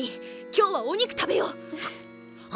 今日はお肉食べよう！